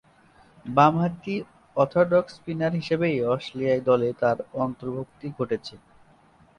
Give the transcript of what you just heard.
বামহাতি orthodox spinner হিসেবেই Australia দলে তার অন্তর্ভুক্তি ঘটেছে।